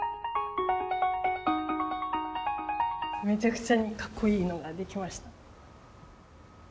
めちゃくちゃにカッコいいのができました。